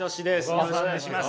よろしくお願いします。